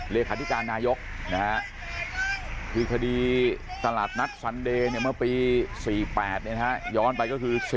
และที่การณายกให้คือคดีตลาดนัดซันเดย์มันปี๔๘นะฮะย้อนไปก็คือ